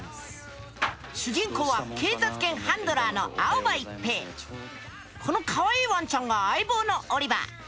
主人公は警察犬ハンドラーのこのかわいいワンちゃんが相棒のオリバー。